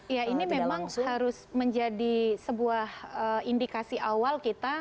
ya ini memang harus menjadi sebuah indikasi awal kita